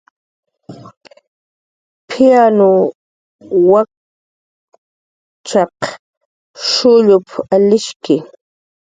"P""iryanw wakchan shullup"" alishki"